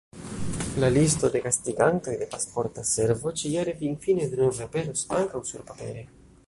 La listo de gastigantoj de Pasporta Servo ĉi-jare finfine denove aperos ankaŭ surpapere.